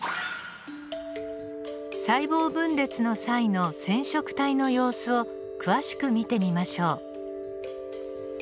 細胞分裂の際の染色体の様子を詳しく見てみましょう。